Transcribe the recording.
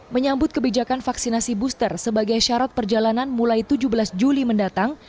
menyambut kebijakan vaksinasi booster sebagai syarat perjalanan mulai tujuh belas juli mendatang